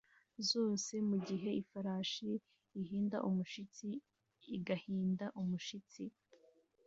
zose mugihe ifarashi ihinda umushyitsi igahinda umushyitsi